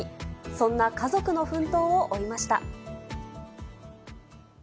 そんな家族の奮闘を追いました。